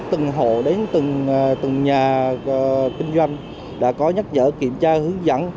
từng hộ đến từng nhà kinh doanh đã có nhắc nhở kiểm tra hướng dẫn